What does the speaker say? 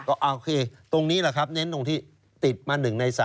โอเคตรงนี้แนะนำตรงที่ติดมา๑ใน๓